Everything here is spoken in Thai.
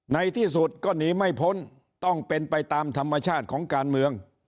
ในที่สุดก็หนีไม่พ้นต้องเป็นไปตามธรรมชาติของการเมือง